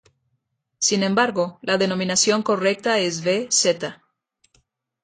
Sin embargo, la denominación correcta es vz.